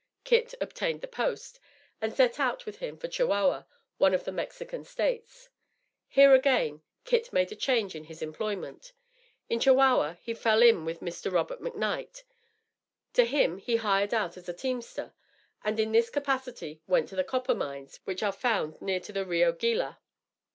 Kit obtained the post, and set out with him for Chihuahua, one of the Mexican States. Here again Kit made a change in his employment. In Chihuahua he fell in with Mr. Robert McKnight. To him he hired out as a teamster, and in this capacity went to the copper mines which are found near to the Rio Gila.